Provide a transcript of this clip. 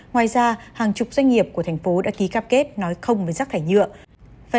ngoài ra hàng chục doanh nghiệp của thành phố đã ký cam kết nói không với rác thải nhựa